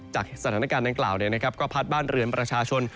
จากสถานการณ์ดังกล่าวก็พัดบ้านเรือนประชาชน